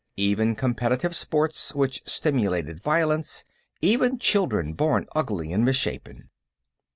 Even competitive sports which simulated violence; even children born ugly and misshapen....